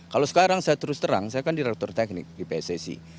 kalau sekarang saya terus terang saya kan direktur teknik di pssi